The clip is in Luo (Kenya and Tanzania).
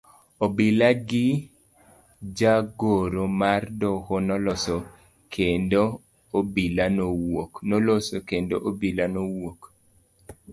Obila gi jagoro mar doho noloso kendo obila nowuok.